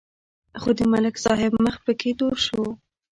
خو د ملک صاحب مخ پکې تور شو.